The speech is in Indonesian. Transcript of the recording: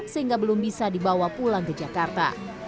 sehingga belum bisa dibawa pulang ke jakarta